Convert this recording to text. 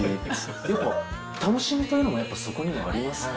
やっぱ楽しみたいのもやっぱそこにはありますか？